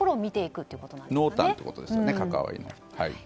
濃淡ということですね関わりの。